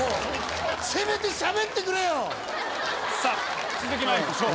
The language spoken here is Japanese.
さぁ続きまいりましょう。